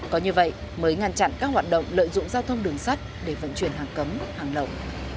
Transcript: có như vậy mới ngăn chặn các hoạt động lợi dụng giao thông đường sắt để vận chuyển hàng cấm hàng lậu